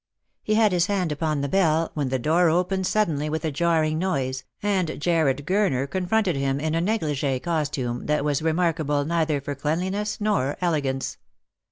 He had his hand upon the bell when the door opened suddenly with a jarring noise, and Jarred Gurner confronted him in a neglige costume, that was remarkable neither for cleanliness nor elegance.